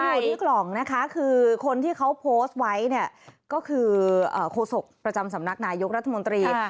อยู่ที่กล่องนะคะคือคนที่เขาโพสต์ไว้เนี่ยก็คือโฆษกประจำสำนักนายกรัฐมนตรี